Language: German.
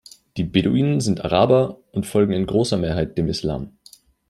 Die Beduinen sind Araber und folgen in großer Mehrheit dem Islam.